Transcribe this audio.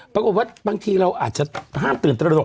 ปรากฏว่าบางทีเราอาจจะห้ามตื่นตระหนก